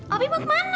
opi mau kemana